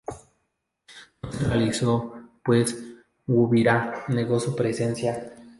No se realizó pues Guabirá negó su presencia.